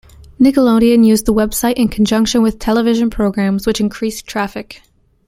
Nickelodeon used the website in conjunction with television programs which increased traffic.